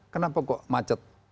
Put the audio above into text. kenapa kok macet